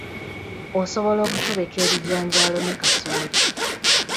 Osobola okutobeka ebijanjaalo ne kasooli.